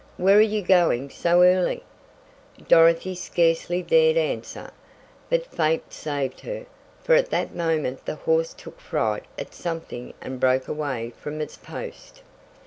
"Where are you going so early?" Dorothy scarcely dared answer. But fate saved her, for at that moment the horse took fright at something and broke away from its post.